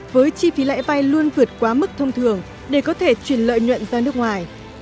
với chi phí lãi vay luôn vượt quá mức thông thường để có thể chuyển lợi nhuận ra nước ngoài